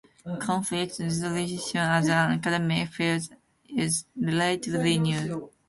Conflict resolution as an academic field is relatively new.